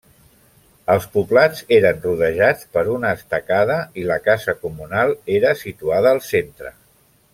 Els poblats eren rodejats per una estacada, i la casa comunal era situada al centre.